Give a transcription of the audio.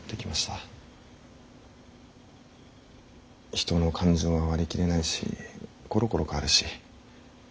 人の感情は割り切れないしころころ変わるし。